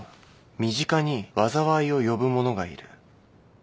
「身近に災いを呼ぶ者がいる」